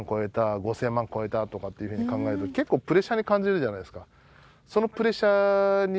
５０００万超えたとかっていうふうに考えると結構プレッシャーに感じるじゃないですか